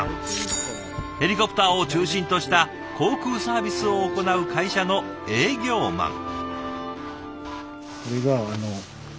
ヘリコプターを中心とした航空サービスを行う会社の営業マン。